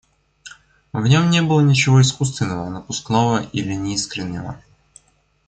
В нем не было ничего искусственного, напускного или неискреннего.